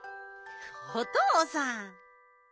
おとうさん。